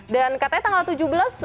dan katanya tanggal tujuh belas